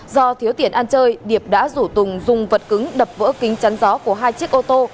do thiếu tiền ăn chơi điệp đã rủ tùng dùng vật cứng đập vỡ kính chắn gió của hai chiếc ô tô